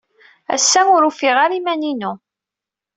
Ass-a, ur ufiɣ ara iman-inu.